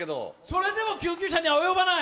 それでも救急車には及ばない！